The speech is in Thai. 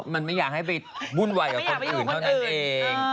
มันไม่อยากให้ไปวุ่นวายกับคนอื่นเท่านั้นเอง